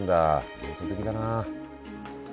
幻想的だな。